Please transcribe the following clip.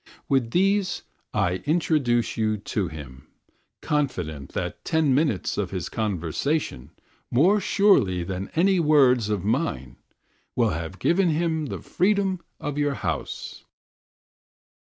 With these I introduce you to him, confident that ten minutes of his conversation, more surely than any words of mine, will have given him the freedom of your house.